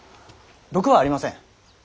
毒はありません。